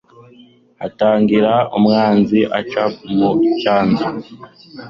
hatagira umwanzi ubaca mu cyanzu